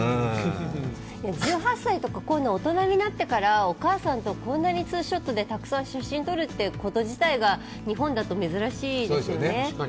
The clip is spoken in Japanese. １８歳とか、こういうの大人になってからお母さんとこんなにツーショットでたくさん写真撮るってこと自体が日本だと珍しいですよね。